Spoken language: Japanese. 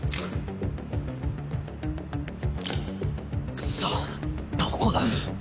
クソどこだ？